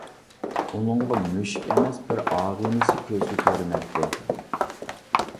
ئۇنىڭغا مۈشۈك ئەمەس، بىر ئاغىنىسى كۆزىگە كۆرۈنەتتى.